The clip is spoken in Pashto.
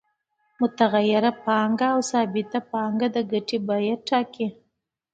متغیره پانګه او ثابته پانګه د ګټې بیه ټاکي